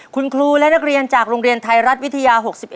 คุณครูและนักเรียนจากโรงเรียนไทยรัฐวิทยา๖๑